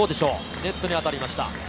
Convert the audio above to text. ネットに当たりました。